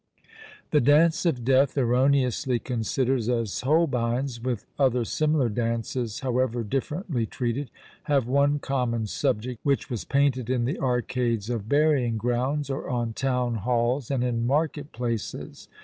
"The Dance of Death," erroneously considered as Holbein's, with other similar Dances, however differently treated, have one common subject which was painted in the arcades of burying grounds, or on town halls, and in market places.